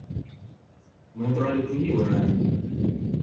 Мы абралі другі варыянт.